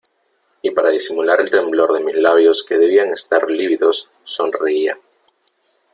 y para disimular el temblor de mis labios que debían estar lívidos , sonreía .